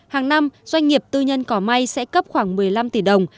hàng năm doanh nghiệp tư nhân cỏ may sẽ cấp khoảng một mươi năm tỷ đồng